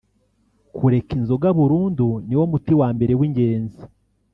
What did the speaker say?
kureka inzoga burundu niwo muti wambere w’ingenzi